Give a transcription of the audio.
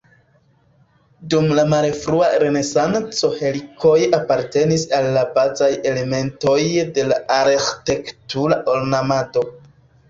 Dum la malfrua renesanco helikoj apartenis al la bazaj elementoj de la arĥitektura ornamado.